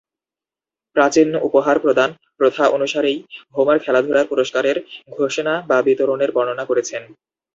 প্রাচীন উপহার প্রদান প্রথা অনুসারেই হোমার খেলাধূলার পুরস্কারের ঘোষণা বা বিতরণের বর্ণনা করেছেন।